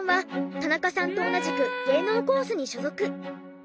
田中さんと同じく芸能コースに所属。